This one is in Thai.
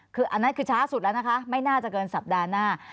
คือช้าสุดแล้วนะคะไม่น่าจะเกินสัปดาห์หน้า